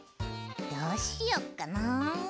どうしよっかな。